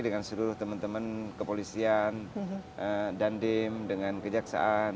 dengan seluruh teman teman kepolisian dandim dengan kejaksaan